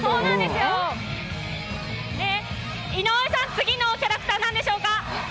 次のキャラクターなんでしょうか？